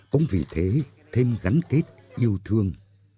cũng vì thế thêm gắn kết yêu thương